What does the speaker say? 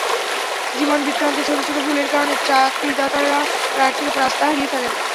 জীবনবৃত্তান্তে ছোট ছোট ভুলের কারণে চাকরিদাতারা প্রার্থীর ওপর আস্থা হারিয়ে ফেলেন।